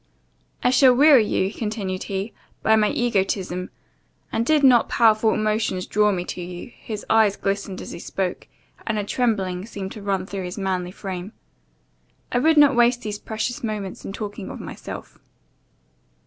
"I shall weary you," continued he, "by my egotism; and did not powerful emotions draw me to you," his eyes glistened as he spoke, and a trembling seemed to run through his manly frame, "I would not waste these precious moments in talking of myself.